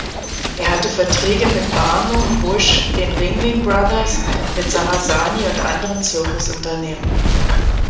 Er hatte Verträge mit Barnum, Busch, den Ringling-Brothers, mit Sarrasani und anderen Zirkusunternehmen.